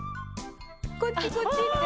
こっちこっちって？